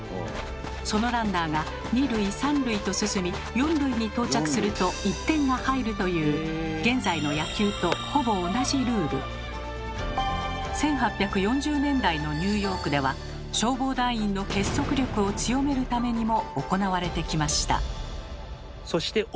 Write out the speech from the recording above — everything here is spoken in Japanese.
そのランナーが２塁３塁と進み４塁に到着すると１点が入るという１８４０年代のニューヨークでは消防団員の結束力を強めるためにも行われてきました。